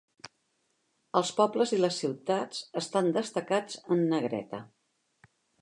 Els pobles i les ciutats estan destacats en negreta.